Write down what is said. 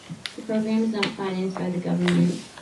The program is not financed by the government.